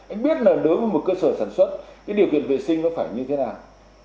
anh biết là đối với một cơ sở sản xuất cái điều kiện vệ sinh nó phải như thế nào